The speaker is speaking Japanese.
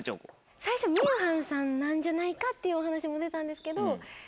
最初みゆはんさんなんじゃないかってお話も出たんですけど。